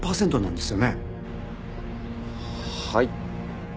はい。